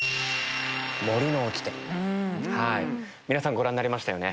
皆さんご覧になりましたよね。